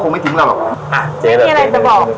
มึงไม่มีอะไรมันก็จะต้น